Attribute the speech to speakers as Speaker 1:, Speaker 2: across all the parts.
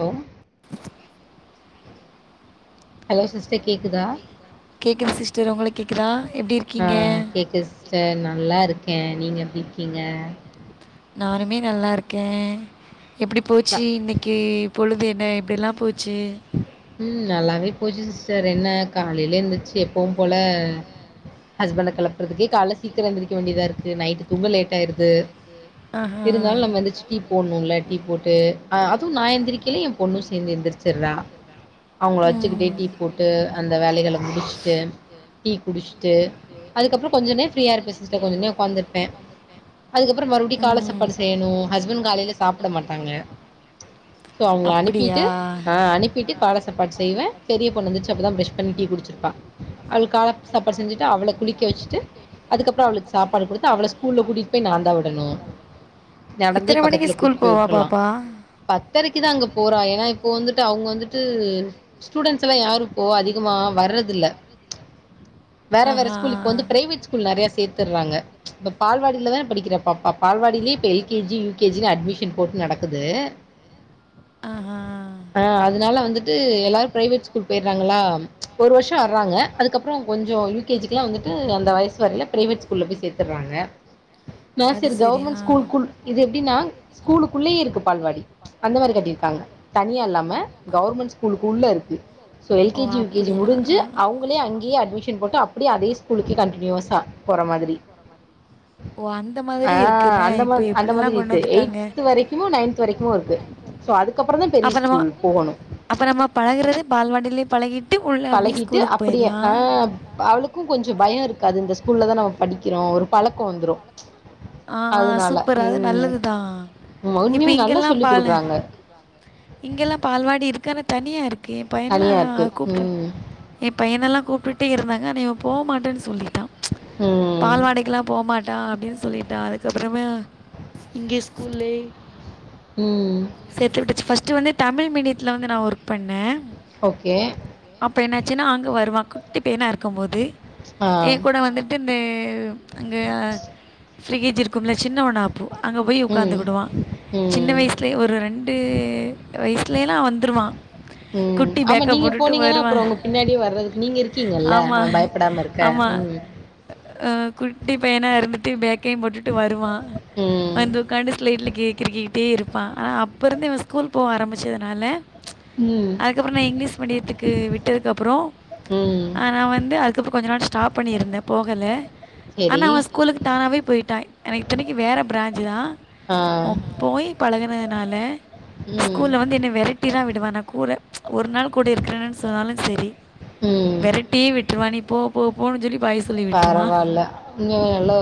Speaker 1: Hello hello sister கேக்குதா ஆ கேக்குது சிஸ்டர் நல்லா இருக்கே நீங்க எப்டி இருக்கீங்க
Speaker 2: நானுமே நல்லா இருக்கே எப்டி போச்சி இன்னைக்கு பொழுது எ எப்படிலா போச்சு
Speaker 1: ம் நல்லாவே போச்சு சிஸ்டர் என்ன காலையில எழுந்துச்சு எப்பவும் போல ஹஸ்பண்ட கெளப்பறதுக்கே கால்ல சீக்கிரம் எந்திரிக்க வேண்டியதா இருக்கு நைட்டு தூங்க லேட்டாயிருது இருந்தாலும் நம்ம எழுந்துச்சு டீ போடணும்ல டீ போட்டு அதுவு நா எந்திரிக்கையில என் பொண்ணும் சேந்து எந்திரிச்சுறா அவங்கள வச்சுக்கிட்டே டீ போட்டு அந்த வேலகளை முடிச்சுட்டு டீ குடிச்சுட்டு அதுக்கப்புற கொஞ்ச நேர ஃப்ரீயா இருப்பே சிஸ்டர் கொஞ்ச நேர உக்காந்துருப்பே அதுக்கப்புற மறுபடியு கால சாப்பாடு செய்யணும் ஹஸ்பண்ட் காலையில சாப்புட மாட்டாங்க சோ அவங்கள அனுப்பிட்டு அனுப்பிட்டு கால சாப்பாடு செய்வே பெரிய பொண்ணு எந்திச்சி அப்போ தான் பிரஷ் பண்ணி டீ குடிச்சிருப்பா அவளுக்கு கால சாப்பாடு செஞ்சுட்டு அவள குளிக்க வச்சுட்டு அதுக்கப்புற அவளுக்கு சாப்பாடு கொடுத்து அவள ஸ்கூல்ல கூட்டிட்டு போய் நான்தா விடணும் நடந்தே பக்கத்துல கூட்டு போய் விட்ருலா பத்தரைக்கு தா அங்க போறா ஏ இப்போ வந்துட்டு அவங்க வந்துட்டு ஸ்டூடெண்ட்ஸ் எல்லாம் யாரும் இப்போ அதிகமா வர்றது இல்ல வேற வேற ஸ்கூல் இப்போ வந்து பிரைவேட் ஸ்கூல் நெறய சேத்துறாங்க பால்வாடியில தா படிக்கிறா பாப்பா பால்வாடிலயே இப்ப L K G U K G admission போட்டு நடக்குது
Speaker 2: ஆஹ் ஹா
Speaker 1: ஆஹ் அதனால வந்துட்டு எல்லாரும் பிரைவேட் ஸ்கூல் போயிட்றாங்களா ஒரு வருஷ்ஷோ வர்றாங்க அதுக்கப்றோம் கொ ஞ்சோ யூ கே ஜிக்கெல்லா வந்துட்டு அந்த வயசு வரையில பிரைவேட் ஸ்கூல்ல போய் சேத்துற்றாங்க நர்சரி கவர்மெண்ட் ஸ்கூல் கூல் இது எப்டின்னா ஸ்கூலுக்குள்ளயே இருக்கு பால்வாடி அந்த மாரி கட்டியிருக்காங்க தனியா இல்லாம கவுர்மெண்ட் ஸ்கூலுக்குள்ள இருக்கு so L K G U K G முடிஞ்சு அவுங்களே அங்யே அட்மிஷ் தூக்கி போட்டு அப்டியே அதே ஸ்கூலுக்கு கண்டினியூஸா போற மாதிரி ஆஹ் அந்த மா அந்த மாதிரி இருக்கு எய்த் வரைக்குமோ நைன்த் து வரைக்கு இருக்கு சோ அதுக்கப்பறம்
Speaker 2: அப்ப நம்ம அப்ப நம்ம பழகுறது பால்வாடிலயே பழகிட்டு
Speaker 1: பழகிட்டு அப்டியே ஆஹ் அவளுக் க்கும் கொஞ்சம் பயம் இருக்காது இந்த ஸ்கூல்ல தா நம்ம படிக்கிறோ ஒரு பழக்கோ வந்துரோ
Speaker 2: ஆஹ் சூப்பர் அது நல்லதுதா இப்ப இங்கெல்லா பால இங்கெல்லா பால்வாடி இருக்கு கான தனியா இருக்கு என் பைனெலா கூப்ட்டு என் பையனெல்லா கூப்டுட்டே இருந்தாங் ன்னானு இவ போ மாட்டேன்னு சொல்லிட்டா பால் வாடிக்கெல்லா போ மாட்டான் அப்டின்னு சொல்லி டா அதுக்கப்புறமா இங்கே ஸ்கூல்லே சேர்த்து விட்டுச்சு ஃபர்ஸ்ட் வந்து தமிழ் மீடியத்துல வந்து நா ஒர்க் பண்ணே அப்ப என்னாச்சுன்னா அங்க வருவா குட்டி தேனா இருக்கும்போது என் கூட வந்துட்டு இந்த அங்க கும்ல சின்னவனா அப்போ அங்க போய் உக்காந்துகிடுவா சின்ன வயசுலயே ஒரு ரெண்டு வயசுலயல்லா வந்துருவா
Speaker 1: உம் ஆமா நீங்க போனீங்கன்னா அப்புறம் உங்க பின்னாடியே வர்றதுக்கு நீங்க இருக்கீங்கல்ல அவ பயப்படாம இருக்க உஹம்
Speaker 2: அ குட்டி பையனா இருந்துட்டு பேக்கையும் போட்டுட்டு வருவா வந்து உக்காண்டு ஸ்லேட்ல கெ கிரிக்கிக்கிட்டே இருப்பா ஆனால் அப்போ இருந்துதிவ ஸ்கூல் போக ஆரம்பிச்சதுனால அதுக்கப்புறம் நா இங்கிலீஷ் மீடியத்துக்கு விட்டதுக்கு அப்புறோ ஆ நா வந்து அத் கப்றோ கொஞ்ச நாளா ஸ்டாப் பண்ணியிருந்தே போகல ஆனா அவன் ஸ்கூலுக்கு தானாவே போயிட்டா எனா இத்தனைக்கு வேற பிராஞ்சு தா அவ போய் பழகுனதுனால
Speaker 1: ம் ம்
Speaker 2: டி தா விடுவ நா கூர ஒரு நாள் கூட இருக்றனேனு சொன்னாலும் சரி வெரட் டி விட்டுருவா நீ போ போ போன்னு சொல்லி
Speaker 1: பரவால்ல உண்மயாவே ல்ல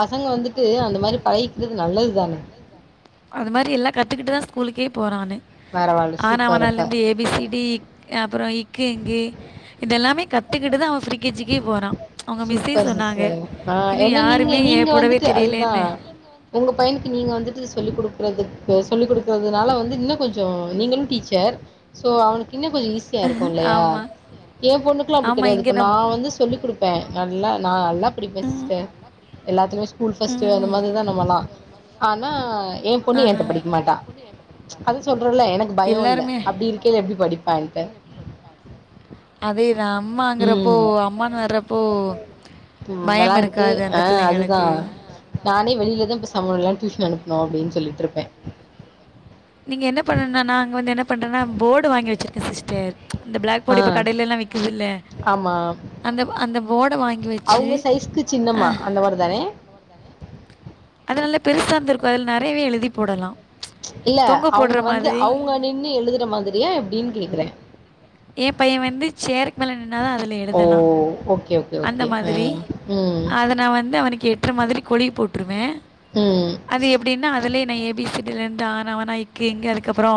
Speaker 1: பசங்க வந்துட்டு அந்த மாரி பழகிக்றது நல்லதுதானே
Speaker 2: அது மாரி எல்லா கத்துக்கிட்டுதா ஸ்கூலுக்கே போறானே ஆனா ஆவன்னாலந்து ஏ பி சி டி அப்புறம் க்கு ங்கு இதெல்லாமே கத்துக்கிட்டு தான் அவன் ஃப்ரிக்கேஜிக்கே போறா
Speaker 1: சூப்பர் சிஸ்டர் ஆஹ் ஏன்னா நீங்க நீங்க வந்துட்டு அதுதா உங்க பையனுக்கு நீங்க வந்துட்டு சொல்லிக் குடுக் க்றதுக்கு சொல்லிக் குடுக்கறிறதுனால வந்து இன்னு கொஞ்சோ நீங்களும் டீச்சர் சோ அவனுக் இன்னு கொஞ்சோ ஈஸியா இருக்கு இல்லையா ஏன் பொண்ணுக்குலா அப்டி கெடையாது இப்ப நான் வந்து சொல்லி குடுக் பே நல்லா நா நல்லா படிப்பேன் சிஸ்டர் எல்லாத்துலயுமே ஸ்கூல் ஃபஸ்ட்டு அந்த மாதிரிதா நம்மல்லா ஆனா என் பொண்ணு ஏன்ட்ட படிக்க மாட்டா அது சொல்றோல்ல எனக்கு பயோ இல்ல அப்டி இருக்கே எப்டி படிப்பா என்ட்ட
Speaker 2: அம்மாங்கறப்போ அம்மான்னு வர்றப்போ
Speaker 1: உம் விளாடிட்டு ஆஹ் அதுதா நானே வெளியிலதா இப்ப சமளாம் டியூஷன் அனுப்பனு அப்டின்னு சொல்லிட்டுருப்பே
Speaker 2: நீங்க என்ன பண்ணனுனா நா அங்க வந்து என்ன பண்றன்னா போர்டு வாங்கி வச்சிருக்கே சிஸ்டர் இந்த பிளாக் போர்டு இப்ப கடைலல்லா விக்குதுல்ல
Speaker 1: ஆமா அவுங்க சைஸ்க்கு சின்னமா அந்த மார் தானே
Speaker 2: அதுனல்லா பெருசா இருந்துருக்கு அதுல நெறையவே எழுதி போடலா
Speaker 1: இல்ல அவுங்க வந்து அவுங்க நின்னு எழுதுற மாதிரியா எப்டின்னு கேக்குறே
Speaker 2: ஏ பைய வந்து சேர்க்கு மேல நின்னாதா அதுல எழுதலா அந்த மாதிரி அத நா வந்து அவனுக்கு எட்ற மாதிரி கொழுவி போட்டுருவே அது எப்டின்னா அதுலயே நா ஏபிசிடிலருந்து ஆனா ஆவன்னா க்கு இங்கு அதுக்கப்பறோ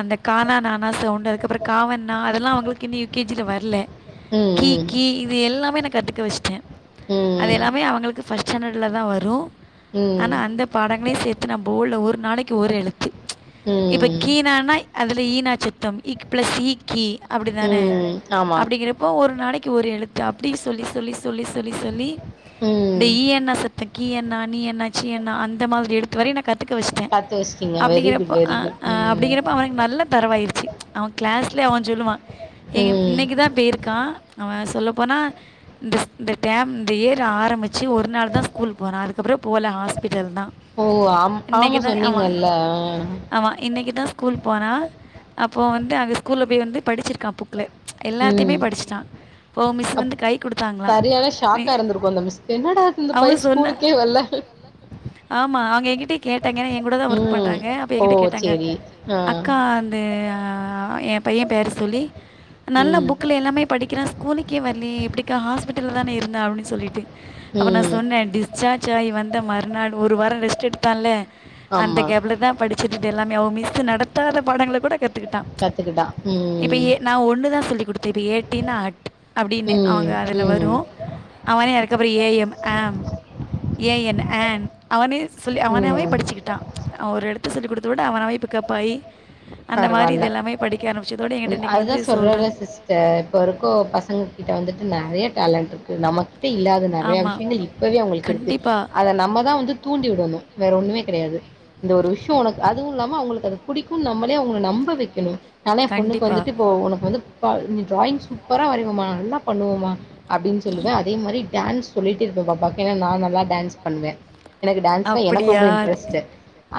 Speaker 2: அந்த கானா நானா சவுன்டு அதுக்கப்பறோ காவன்னா அதெல்லா அவங்களுக்கு இன்னு யு கே ஜி ல வரல கீ கீ இது எல்லாமே கத்துக் க வச்சுட்டே அது எல்லாமே அவங்களுக்கு பர்ஸ்ட் ஸ்டாண்டர்ல தா வரு ஆனா அந்த பாடங்களையு சேத்து நா போடுல ஒரு நாளைக்கு ஒரு எழுத் இப்ப கீனானா அதுல ஈனா சத்தம் ப்ளஸ் ஈ க்கி அப்டிதானே அப்டிங்கிறப்போ ஒரு நாளைக்கு க்கு ஒரு எழுத்து அப்டி சொல்லி சொல்லி சொல்லி சொல்லி சொல்லி இந்த இஅன்னா சத் கீ என்னா நீ என்னா சீ என்னா அந்த மாரி எழுத்து வரயு நா கத்துக்க வச்சுட்டே அப்டிங்கிறப்போ அ ஆ அப்டிங்கிறப்போ அவனுக்கு நல்ல தரவாயிடுச்சு கிளாஸ்லே அவ சொல்லுவா எங்க இன்னைக்கு தா போயிருக்கா அவ சொல்ல போனா இந்த டேம் இந்த இயர் ஆரம்ப பிச்சு ஒரு நாள் தா ஸ்கூல் போனா அதுக்கப்பறோ போல ஹாஸ்பிட்டல் தா
Speaker 1: ஆ ஆமா சொன்னீங்கல்ல
Speaker 2: ஆமா இன்னைக்கு தா ஸ்கூல் போனா அப் இப்போ வந்து அங்க ஸ்கூல போய் வந்து படிச்சிருக்கா புக்குல எல்லாத்தயுமே படிச்சுட்டா இப்போ மிஸ் வந்து கை
Speaker 1: சரியான ஷாக்கா இருந்திருக்கு அந்த மிஸ்கு என்னடா இந்த பய ஸ்கூலுக்கே வரல
Speaker 2: ஏகிட்டே கேட்டாங்க ஏகூட தா ஒர்க் பண்றாங்க அப்ப ஏகிட்ட கேட்டாங்க அக்கா அந்த எ பைய பேர சொல்லி நல்லா புக்குல எல்லாமே படிக்கிறா ஸ்கூலுக்கே வரலயே எப்டி ஹாஸ்பிட்டல தானே இருந்த அப்டின்னு சொல்லிட்டு அப்ப நா சொன்னே டிஸ்சார்ஜ் ஆயி வந் மறுநாள் ஒரு வார ரெஸ்ட் எடுத்தான்லே அந்த கேப்ல தா படிச்சிருது எல்லாமே அவ மிஸ் நடத்தாத பாடங்கள கூட கத்துக்கிட்டு
Speaker 1: கத்துக்கிட்டா
Speaker 2: இப்ப எ நா ஒண்ணுதா சொல்லி் குடுத்தே இப்ப ஏ டி னா அட் அப்டின்னு அவங்க அதுல வரு அவனே அதுக்கப்பறோ A M am A A N an அவனே சொல்லி அவனாவே படிச்சுக்கிட்டா ஒரு எழுத்து சொல்லிகுடுத்து விட அவனாவே பிக்கப் ஆயி அந்த மாரி இது எல்லாமே படிக்க ஆரம்
Speaker 1: அதுதா சொல்றேன்ல சிஸ்டர் இப்ப இருக்கோ பசங்க கிட்ட வந்துட்டு நெறைய டேலண்ட் இருக்கு நமக்கு கிட்ட இல்லாத நெறைய விஷயங்கள் இப்பவே அவங்களுக்கு இருக்கு அத நம்ம தா வந்து தூண்டி விடணு வேற ஒண்ணுமே கிடயாது இந்த ஒரு விஷயோ உனக்கு அதுவு இல்லாம அவங்களுக்கு அது பிடிக்கு நம்மளா ளே அவங்கள நம்ப வக்கணு நானே ஏ பொண்ணுக்கு வந்துட்டு இப்போ உனக்கு வந்து டிராயிங் சூப்பரா வரை னுவமா நல்லா பண்ணுவோமா அப்டின்னு சொல்லுவே அதே மாரி டான்ஸ் சொல்லிட்டு [unintelligible] நான் நல்லா டான்ஸ் பண்ணுவே எனக்கு டான்ஸ்னா எனக்கு ரொம்ப இன்ட்ரெஸ்ட்டு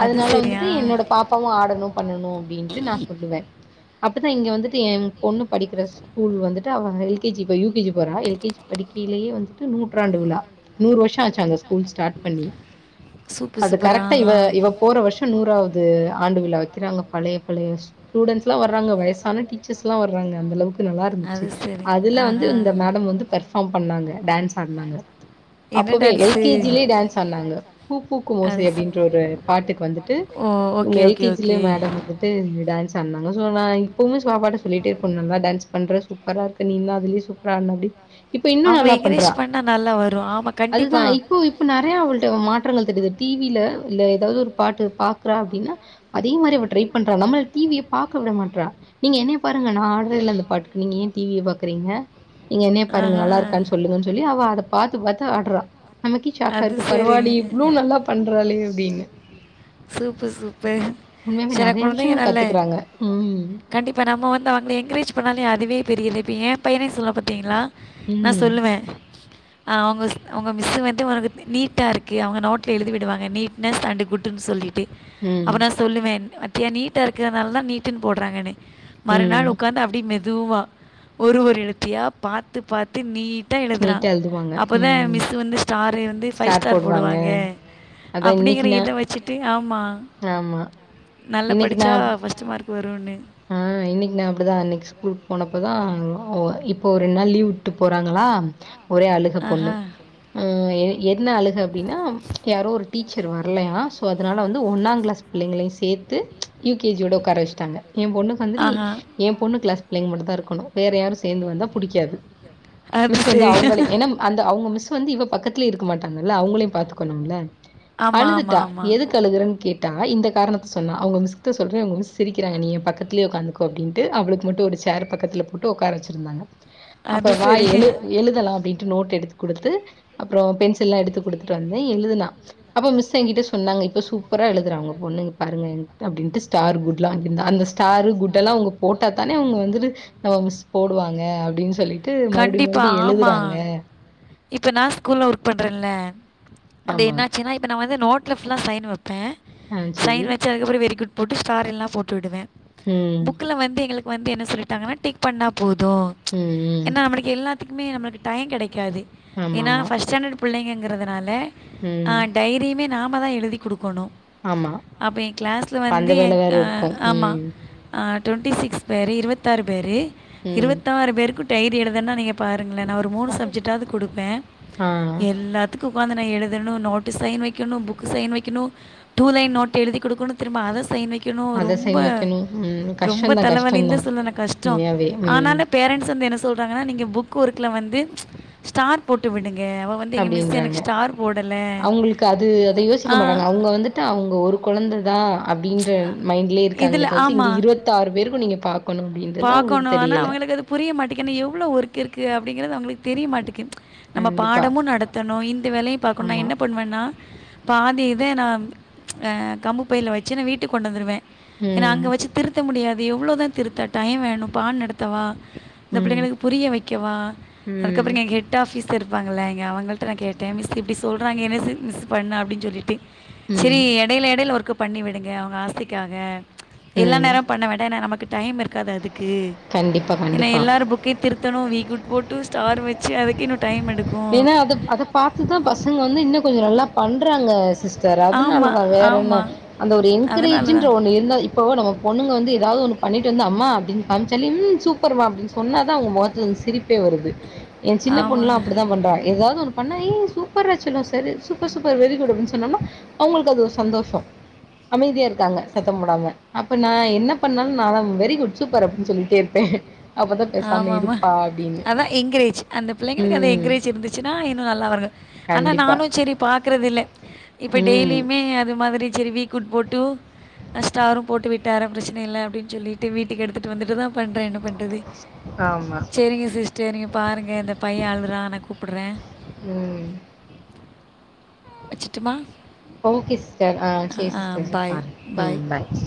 Speaker 1: அதனால வந்துட்டு என்னோட பாப்பாவு ஆடணு பண்ணணு ன்டு நா சொல்லுவே அப்டிதா இங்க வந்துட்டு ஏ பொண்ணு படிக்கிற ஸ்கூல் வந்துட்டு அவ எல் கே ஜி இப்ப யு கே ஜி போறா எல் கே ஜி படி கிலயே வந்துட்டு நூற்றாண்டு விழா நூறு வருஷ ஆச்சு அந்த ஸ்கூல் ஸ்டார்ட் பண்ணி அது கரெக்டா இவ இவ போற வருஷ நூறாவது ஆண்டு விழா வைக்கிறாங்க பழைய பழைய ஸ்டூடென்ஸ்ல்லா வர்றாங்க வயசான டீச்சர்ஸ்ல்லா வர்றாங்க அந்தளவுக்கு நல்லா இருந்துச்சு அதுல வந்து இந்த மேடம் வந்து பெர்பார்ம் பண்ணாங்க டான்ஸ் ஆடுனாங்க அப்பவே எல் கே ஜி லயே டான்ஸ் ஆடுனாங்க பூ பூக்கு ஓசை அப்டின்ற ஒரு பாட்டுக்கு வந்துட்டு உங்க எல் கே ஜி லயே மேடம் டான்ஸ் ஆன்னாகளா சோ நா இப்பவுமே பாப்பாட்ட சொல்லிட்டு இருப்ப நல்லா டான்ஸ் பண்ற சூப்பரா இருக்கு நீதா அதுலயே சூப்பர அந்தமாரி இப்ப இன்னும் நல்லா பண்றா அதுதான் இப்போ இப்போ நிறைய அவள்ட மாற்றங்கள் தெரியுது டிவில இல்ல ஏதாவது ஒரு பாட்டு பாக்றா அப்படின்னா அதே மாதிரி அவ ட்ரை பண்றா நம்மள டிவியே பாக்க விட மாட்றா நீங்க என்னய பாருங்க நா ஆட்ரல அந்த பாட்டுக்கு நீங்க ஏன் டிவியே பாக்குறீங்க அஹ நீங்க என்னைய பாருங்க நல்லா இருக்கான்னு சொல்லுங்கன்னு சொல்லி அவ அத பாத்து பாத்து ஆடுறா நமக்கே ஸாக்கா இருக்கு பரவாலியே இவ்ளோ நல்லா பண்றாளே அப்படின்னு
Speaker 2: சூப்பர் சூப்பர் சில கொழந்தை குந்தைங்க நல்ல கண்டிப்பா நம்ம வந்து அவுங்கள என்கரேஜ் பண்ணாலே அதுவே பெரியது இப்ப ஏன் பையனே சொல்ல பாாத்தீங்களா நா சொல்லுவே அவுங் அவுங்க மிஸ்ஸு வந்து நீட்டா இருக்கு அவுங்க நோட்ல எழுதி விடுவாங்க நீட்னஸ் அண்டு குட்ன்னு சொல்லி அப்டி அப்ப நா சொல்லுவே பாத்தியா நீட்டா இருக்கறனால தான் நீட்டுன்னு போடுறாங்கன்னு மறுநாள் உக்காந்து அப்படி மெதுவா ஒரு ஒரு எழுத்தையா பாத்து பாத்து நீட் டா எழுதுறான் அப்பதான் மிஸ் வந்து ஸ்டார் வந்து ஃபைவ் ஸ்டார் போடுவாங்க அப்படிங்குற இத வச்சுட்டு ஆமா நல்ல படிச்சா ஃபர்ஸ்ட் மார்க் வரும்னு
Speaker 1: ஆஹ் ஹ இன்னைக்கு நா அப்படிதான் இன்னைக்கு ஸ்கூல் போனப்பதான் இப்ப ஒரு ரெண்டு நாள் லீவ் விட்டு போறாங்களா ஒரே அழுக பொண்ணு உம்அ என்ன அழுக அப்படின்னா யாரோ ஒரு டீச்சர் வரலையா ஸோ அதனால வந்து ஒன்னாங் கிளாஸ் பிள்ளைங்களையும் சேர்த்து யூகேஜியோட உக்கார வச்சுட்டாங்க என் பொண்ணுக்கு வந்துட்டு என் பொண்ணு கிளாஸ் பிள்ளைங்க மட்டும் தான் இருக்கணும் வேற யாரும் சேர்ந்து வந்தா பிடிக்காது மிஸ் வந்து அவங்களே ஏன்னா அந்த அவுங்க மிஸ் மிஸ் வந்து இவ பக்கத்திலே இருக்க மாட்டாங்கல்ல அவுங்களையும் பாத்துக்கணும்ல அழுதுட்டா எதுக்கு அழுகுறன்னு கே ட்டாங்க இந்த காரணத்த சொன்னா அவுங்க மிஸ்ட்ட சொல்ற அவுங்க மிஸ் சிரிக்கிறாங்க நீ எப் பக்கத்துலே உக்காந்துக்கோ அப்படின்ட்டு அவளுக்கு மட்டும் ஒரு சேர் பக்கத்துல போட்டு உக்கார வச்சிருந்தாங்க அப்புறம் வா எழு எழுதலாம் அப்படின்ட்டு நோட் எடுத்து கொடுத்து அப்புறம் பென்சி ல்லாம் எடுத்து கொடுத்துட்டு வந்தே எழுதுனா அப்ப மிஸ் என்கிட்ட சொன்னாங்க இப்ப சூப்பரா எழுதுறா உங்க பொண்ணு பாருங்க அப்டிண்டு ஸ்டார் குட்லாம் ருந்தா அந்த ஸ்டாரு குட்டெல்லாம் அவுங்க போட்டாத்தானே அவுங்க வந்துட்டு நம்ம மிஸ் போடுவாங்க அப்படின்னு சொல்லி
Speaker 2: கண்டிப்பா ஆமா இப்ப நா ஸ்கூல்ல ஒர்க் பண்றேன்ல அது என்னாச்சுன்னா இப்ப நா வந்து நோட்ல ஃபுல்லா சைன் வைப் பேன் சைன் வச்சு அதுக்கப்புறம் வெரி குட் போட்டு ஸ்டார் எல்லாம் போட்டுவிடுவேன் புக்ல வந்து எங்களுக்கு வந்து என்ன சொல்லிட்டாங்கன்னா டிக் பண்ணா போதும் எல்லாத்துக்குமே நம்மளுக்கு டைம் கிடைக்காது ஏன்னா ஃபர்ஸ்ட் ஸ்டாண்டர்ட் பிள்ளைங்கிறதுனால ஆஹ் டைரியுமே நாம தான் எழுதி கொடுக் கணும் அப்போ என் கிளாஸில வந்து ஆமா டுவெண்ட்டி சிக்ஸ் பேரு இருபத்தாறு பேரு இருபத்தாறு பேருக்கும் டைரி எழுதனுன்னா நீங்க பா ருங்கள நா ஒரு மூணு சப்ஜெக்டாவது கொடுப்பேன் எல்லாத்துக்கு கும் உக்காந்து நா எழுதணும் நோட்டு சைன் வைக்கணும் புக் சைன் வைக்கணும் டூ லைன் நோட் எழுதி கொடுக்கணு திரும்ப அதை சைன் வைக் கணும் ரொம்ப ரொம்ப தலைவலி தான் சொல்லனு கஷ்டம் ஆனாலு பேரண்ட்ஸ் வந்து என்ன சொ சொல்றாங்கன்னா நீங்க புக் ஒர்க்குல வந்து ஸ்டார் போட்டு விடுங்க க அவ வந்து எங்க மிஸ் எனக்கு ஸ்டார் போடல ஆ
Speaker 1: அப்படின்ற மைண்ட்லயே இருக்காங்களே தவிர்த்து இங்க இருபத்தாறு பேருக்கும் நீங்க பாக்கணும் அப்படின்றது அவுங்களுக்கு தெரியல
Speaker 2: எனக்கு அது புரிய மாட்டேங்கு எவ்வளவு ஒர்க் இருக்கு அப்படிங்கறது அவுங்களுக்கு தெரியமாட்டேக்கு நம்ம பாடமும் நடத்தணும் இந்த வேலையும் பாக்கணும் நா என்ன பண்ணுவேன்னா பாதி இத நான் ஹ கம்பு பையில வச்சு நா வீட்டுக்கு கொண்டு வந்துடுவேன் ஏன்னா அங்க வச்சு திருத்த முடியாது எவ்ளோவுதான் திருத்தா டைம் வேணும் பாடம் நடத்தவா இந்த பிள்ளைங்களுக்கு புரிய வைக்கவா அதுக்கப்புறம் என் ஹெட் ஆபீஸ் ச இருப்பாங்கள அவுங்கள்ட்ட நா கேட்டேன் மிஸ் இப்படி சொல்றாங்க என்ன மிஸ் பண்ணே அப்படின் சொல்லிட்டு சேரி எடைல எடைல ஒர்க்கு பண்ணி விடுங்க அவுங்க ஆசைக்காக எல்லா நேர பண்ண வேண்டா ஏனா நமக்கு டைமிருக்காது அதுக்கு. ஏனா எல்லார் புக்கியு திருத்தணு வீ குட் போட் து ஸ்டார் வச்சி அதுக்கினுட்
Speaker 1: ஏனா அதப் அத பாத்துதா பசங்க வந்து இன்னு கொஞ்ச நல்லாப் பண்றாங்க ஸ் சிஸ்டர் அதனாலதா வேற என்ன அந்த ஒரு என்கரேஜுன்ற ஒன்னு இருந்தா இப்பவோ நம்ம பொண்ணுங்க வந்து ஏதாவது ஒன்னுப் பண்ணிட்டு வந்து அம்மா அப்டின் காமிச்சாலே உம் சூப்பர்மா அப்டின் சொன்னாதா அவங்க மொகத்துலந் சிரிப்பே வருது என் சின்ன பொண்ணுலா அப்டிதா பண்றா ஏதாவது ஒன்னுப் பண்ணா ஏ சூப்பராச் செல்லோ செரி சூப்பர் சூப்பர் வெரி குட் அப்டின் சொன்னோனா அவுங்ளுக்கு அது ஒரு சந்தோஷோ அமைதியாருக்காங்க சத்தம் போடாம அப்ப நா என்ன பண்ணாலு நாலா வெரி குட் சூப்பர் அப்புன் சொல்லிட்டேருப்பே அப்பதா பேசாம இருப்பா அப்டின்னு
Speaker 2: கெரேஜ் அந்த பிள்ளைங்களுக்கு அந்த என்கரேஜ் இருந்துச்சுனா இன்னு நல்லா வருங்க ஆனா நானு சேரி பாக்குறதில்ல இப்ப டெய்லியுமே அது மாதிரி சேரி வீ குட் போட்டு அ ஸ்டாரும் போட்டு விட்டேரம் பிரச்சனயில்ல அப்டின் சொல்லிட்டு வீட்டுக்கு எடுத்துட்டு வந்துட்டுதா பண்றே என்னப் பண் சேரிங்க சிஸ்டர் நீங்க பாருங்க இந்த பைய அழுறா நா கூப்புடறே
Speaker 1: ம்
Speaker 2: வச்சுட்டுமா
Speaker 1: ஓகே சிஸ்டர் ஆ சே சிஸ்டர் சே பாருங்க ம் பாய்